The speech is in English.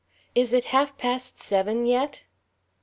Is it half past seven yet?"